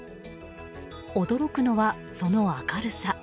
驚くのは、その明るさ。